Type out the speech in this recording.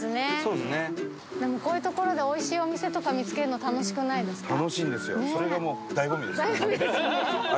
でもこういう所でおいしいお店とか見つけるの楽しくないですか？